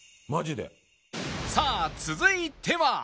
さあ続いては